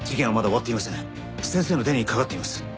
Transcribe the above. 先生の手にかかっています。